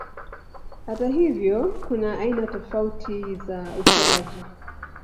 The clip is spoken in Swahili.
Hata hivyo kuna aina tofauti za uchoraji.